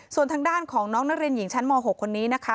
ส่วนทางด้านของน้องนักเรียนหญิงชั้นม๖คนนี้นะคะ